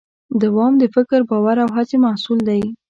دوام د فکر، باور او هڅې محصول دی.